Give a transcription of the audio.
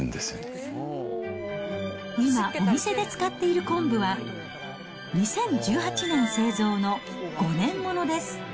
今、お店で使っている昆布は、２０１８年製造の５年ものです。